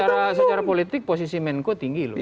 dan secara politik posisi menku tinggi loh